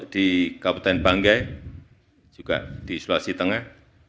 di kabupaten banggai juga di sulawesi tengah